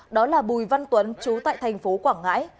đó là bùi văn tuấn chú tại thành phố quảng ngãi